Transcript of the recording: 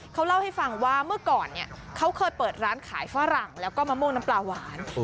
เขาเล่าให้ฟังว่าเมื่อก่อนเนี่ยเขาเคยเปิดร้านขายฝรั่งแล้วก็มะม่วงน้ำปลาหวาน